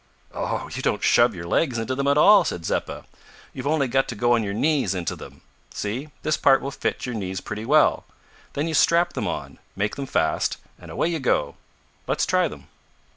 "Oh! you don't shove your legs into them at all," said Zeppa; "you've only got to go on your knees into them see, this part will fit your knees pretty well then you strap them on, make them fast, and away you go. Let's try them."